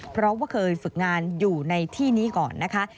เพราะว่าเคยฝึกงานอยู่ในที่นี้ก่อนนะคะ